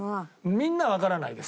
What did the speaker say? みんなわからないです。